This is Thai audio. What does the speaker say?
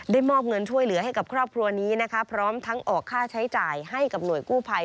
มอบเงินช่วยเหลือให้กับครอบครัวนี้นะคะพร้อมทั้งออกค่าใช้จ่ายให้กับหน่วยกู้ภัย